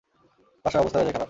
বাসায় অবস্থা বেজায় খারাপ।